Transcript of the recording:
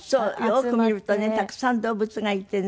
よく見るとねたくさん動物がいてね。